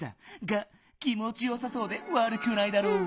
が気もちよさそうでわるくないだろう。